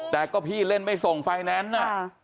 แต่ก็พี่เล่นไม่ส่งไฟแนนซ์น่ะ